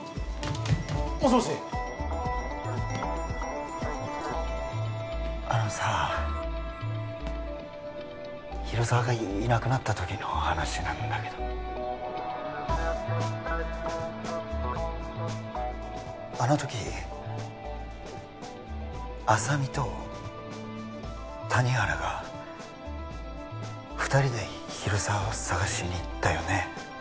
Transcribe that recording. もしもしッあのさ広沢がいなくなったときの話なんだけどあのとき浅見と谷原が２人で広沢を捜しに行ったよね